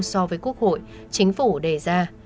so với quốc hội chính phủ đề ra